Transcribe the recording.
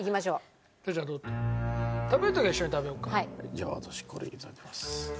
じゃあ私これ頂きます。